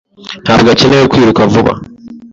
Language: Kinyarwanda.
Ntabwo akeneye kwiruka vuba.